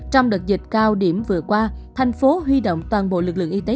trong đợt dịch cao điểm vừa qua thành phố huy động toàn bộ lực lượng y tế